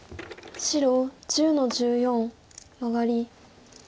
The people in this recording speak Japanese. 白１０の十四マガリ。